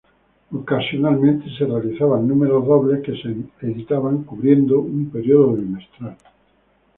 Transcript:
Ocasionalmente, se realizaban números dobles que se editaban cubriendo un período bimestral.